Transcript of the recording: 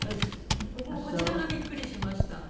もうこちらがビックリしました。